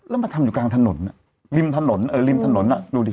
แล้วมันทำอยู่กลางถนนริมถนนดูดิ